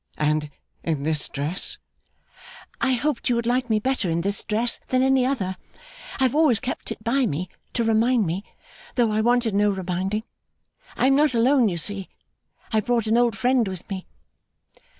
And in this dress?' 'I hoped you would like me better in this dress than any other. I have always kept it by me, to remind me: though I wanted no reminding. I am not alone, you see. I have brought an old friend with me.